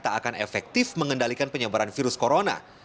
tak akan efektif mengendalikan penyebaran virus corona